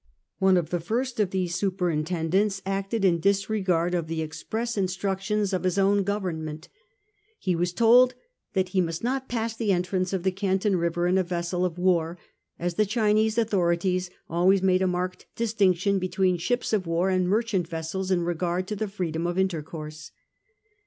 One of the first of these superintendents acted in disregard of the express instructions of his 1839 40. THE QUARREL BEGINNING. 173 own Government. He was told tliat lie must not pass the entrance of the Canton river in a vessel of war, as the Chinese authorities always made a marked distinction between ships of war and merchant vessels in regard to the freedom of intercourse.